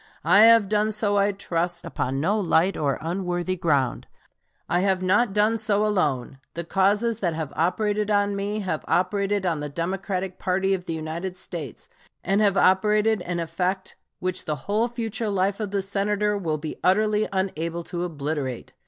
I have done so, I trust, upon no light or unworthy ground. I have not done so alone. The causes that have operated on me have operated on the Democratic party of the United States, and have operated an effect which the whole future life of the Senator will be utterly unable to obliterate.